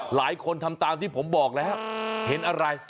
หลายคนทำตามที่ผมบอกแล้วเห็นอะไร